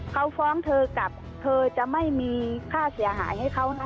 เขาฟ้องเธอกลับเธอจะไม่มีค่าเสียหายให้เขานะ